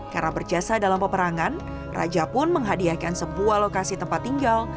karena berjasa dalam peperangan raja pun menghadiahkan sebuah lokasi tempat tinggal